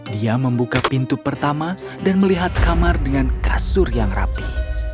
dia membuka pintu pertama dan melihat kamar dengan kasur yang rapi